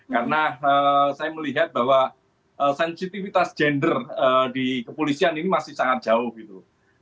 karena saya melihat bahwa sensitivitas gender di kepolisian ini masih sangat jauh gitu